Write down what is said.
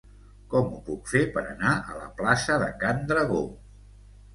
Com ho puc fer per anar a la plaça de Can Dragó?